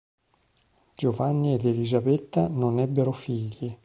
Giovanni ed Elisabetta non ebbero figli.